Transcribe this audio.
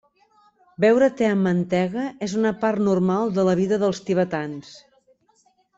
Beure te amb mantega és una part normal de la vida dels tibetans.